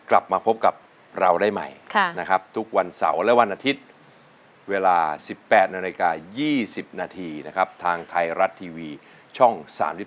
กลับมาพบกับเราได้ใหม่นะครับทุกวันเสาร์และวันอาทิตย์เวลา๑๘๒๐นทางไทยรัดทีวีช่อง๓๒